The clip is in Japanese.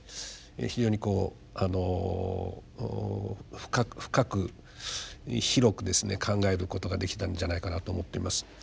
非常にこう深く広くですね考えることができたんじゃないかなと思っています。